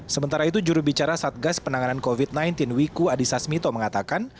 sementara itu jurubicara satgas penanganan covid sembilan belas wiku adhisa smito mengatakan